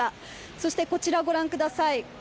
そして、こちらご覧ください。